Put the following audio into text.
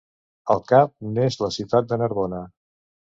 El cap n'és la ciutat de Narbona.